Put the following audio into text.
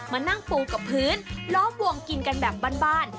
มานั่งปูกับพื้นล้อมวงกินกันแบบบ้าน